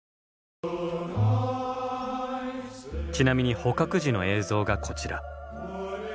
ちなみに捕獲時の映像がこちら。